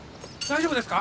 大丈夫です。